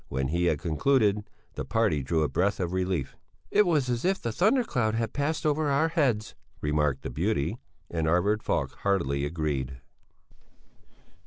When he had concluded, the party drew a breath of relief. "It was as if a thundercloud had passed over our heads," remarked the beauty, and Arvid Falk heartily agreed.